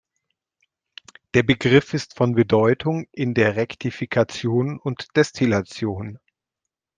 Der Begriff ist von Bedeutung in der Rektifikation und Destillation.